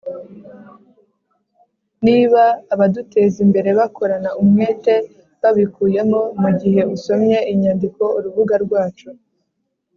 niba abadutezimbere bakorana umwete babikuyemo, mugihe usomye iyi nyandiko urubuga rwacu,